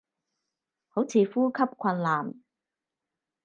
好似呼吸困難